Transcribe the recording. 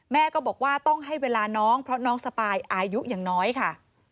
แม่ก็บอกว่าต้องให้เวลาน้องเพราะน้องสปายอายุอย่างน้อยค่ะ